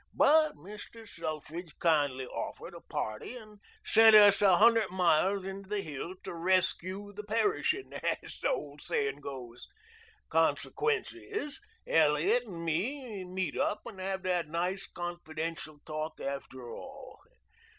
But Mr. Selfridge kindly outfitted a party and sent us a hundred miles into the hills to rescue the perishing, as the old sayin' goes. Consequence is, Elliot and me meet up and have that nice confidential talk after all.